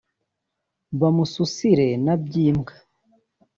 Bamususire na Byimbwa